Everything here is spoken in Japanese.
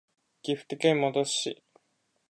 岐阜県本巣市